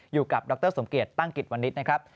อยู่กับดรสมเกียจตั้งกิจวันนี้นะครับ